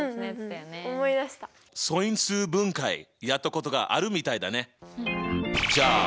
素因数分解やったことがあるみたいだね。